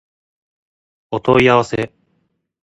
お問い合わせ